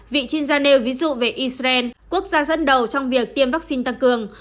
vị chuyên gia nêu ví dụ về israel quốc gia dẫn đầu trong việc tiêm vaccine tăng cường